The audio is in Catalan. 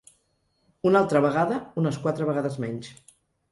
Una altra vegada unes quatre vegades menys.